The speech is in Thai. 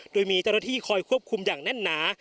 โดยมีเจ้าหน้าที่คอยควบคุมอย่างแน่นหนา